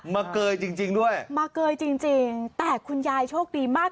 มาเกยจริงด้วยมาเกยจริงแต่คุณยายโชคดีมาก